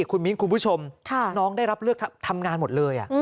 คุณมิ้นคุณผู้ชมน้องได้รับเลือกทำงานหมดเลย